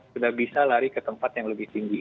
sudah bisa lari ke tempat yang lebih tinggi